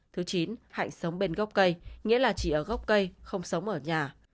thứ chín hạnh sống bên gốc cây nghĩa là chỉ ở gốc cây không sống ở nhà